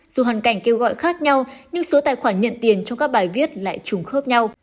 dù hoàn cảnh kêu gọi khác nhau nhưng số tài khoản nhận tiền trong các bài viết lại trùng khớp nhau